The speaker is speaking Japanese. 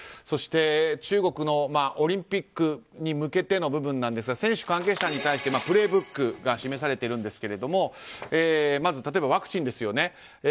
そして中国のオリンピックに向けての部分ですが選手、関係者に対して「プレイブック」が示されているんですがまず例えばワクチンですよね。